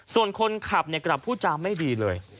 ส่วนคนขับกลับพูดจาไม่ดีเลย